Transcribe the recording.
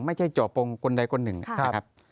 ไม่ใช่เจาะปงคนใดคนหนึ่งนะครับ